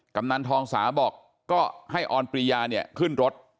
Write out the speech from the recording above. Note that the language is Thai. กำนันทองสาบอกก็ให้ออนปรียาเนี่ยขึ้นรถ